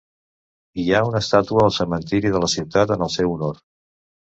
Hi ha una estàtua al cementiri de la ciutat en el seu honor.